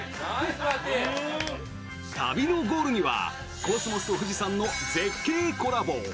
旅のゴールにはコスモスと富士山の絶景コラボ。